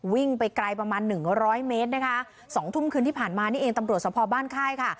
วิ่งไปไกลประมาณหนึ่งร้อยเมตรนะคะสองทุ่มคืนที่ผ่านมานี่เองตำรวจสภบ้านค่ายค่ะ